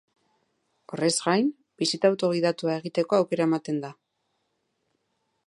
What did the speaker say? Horrez gain, bisita auto-gidatua egiteko aukera ematen da.